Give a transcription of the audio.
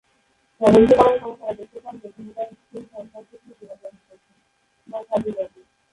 তদন্ত করার পরে, তারা দেখতে পান যে তিনি তার "স্ত্রীর" ধন-সম্পদ নিয়ে জীবনযাপন করছেন।